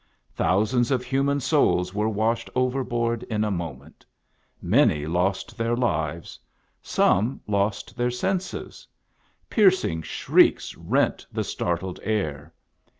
Thousands of human souls were washed overboard in a moment. Many lost their lives. Some lost their senses. Piercing shrieks rent the startled air.